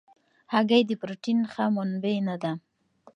هګۍ د پروټین ښه منبع نه ده.